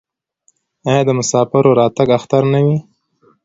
آیا د مسافر راتګ اختر نه وي؟